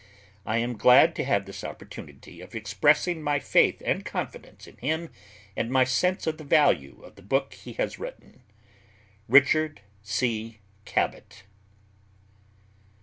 I am glad to have this opportunity of expressing my faith and confidence in him and my sense of the value of the book he has written. RICHARD C. CABOT.